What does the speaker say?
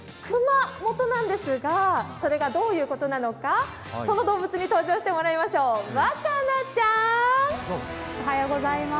くまもとなんですが、それがどういうことなのか、その動物に登場してもらいましょう、和奏ちゃん！